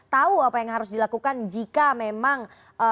tahu apa yang harus dilakukan jika memang